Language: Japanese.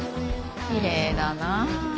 きれいだな。